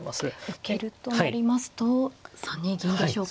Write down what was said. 受けるとなりますと３二銀でしょうか。